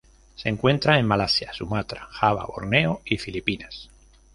Se encuentra en Malasia, Sumatra, Java, Borneo y Filipinas.